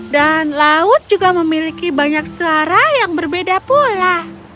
dan laut juga memiliki banyak suara yang berbeda pula